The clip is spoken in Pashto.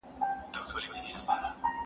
پيرودونکی بايد په خپله خوښه سودا وکړي.